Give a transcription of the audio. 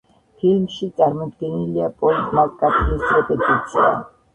ფილმში წარმოდგენილია პოლ მაკ-კარტნის რეპეტიცია.